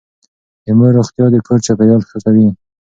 د مور روغتيا د کور چاپېريال ښه کوي.